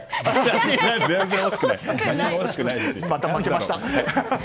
また負けました。